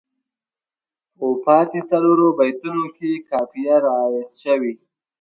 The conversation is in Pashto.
په پاتې څلورو بیتونو کې یې قافیه رعایت شوې.